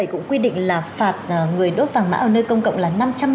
cũng quy định là phạt người đốt vàng mã ở nơi công cộng là năm trăm linh